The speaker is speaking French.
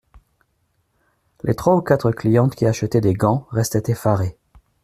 Les trois ou quatre clientes qui achetaient des gants, restaient effarées.